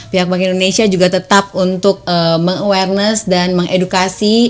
pihak bank indonesia juga tetap untuk meng awareness dan mengedukasi